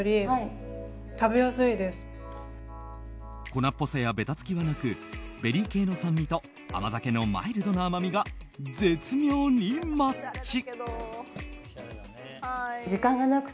粉っぽさやベタつきはなくベリー系の酸味と甘酒のマイルドな甘みが絶妙にマッチ！